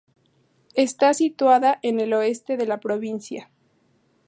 Está situada en el oeste de la provincia.